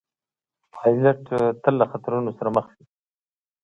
پیلوټ تل له خطرونو سره مخ وي.